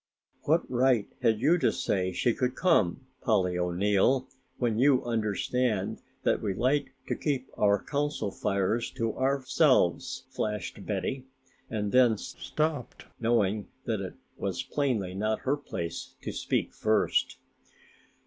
"What right had you to say she could come, Polly O'Neill, when you understand that we like to keep our Council Fires to ourselves?" flashed Betty, and then stopped, knowing that it was plainly not her place to speak first.